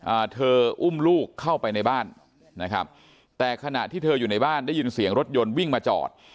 อ่าเธออุ้มลูกเข้าไปในบ้านนะครับแต่ขณะที่เธออยู่ในบ้านได้ยินเสียงรถยนต์วิ่งมาจอด